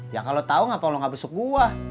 ya kalau tau ngapa lo gak besuk gue